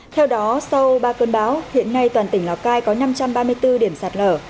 theo đó sau ba cơn bão hiện nay toàn tỉnh lào cai có năm trăm ba mươi bốn điểm sạt lở